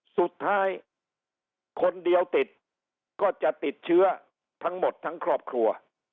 สุดท้ายคนเดียวติดก็จะติดเชื้อทั้งหมดทั้งครอบครัว